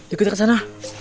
ikut ke sana